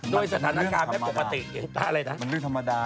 โดยสถานการณ์แปลกปกติอะไรนะฮะมันเรื่องธรรมดา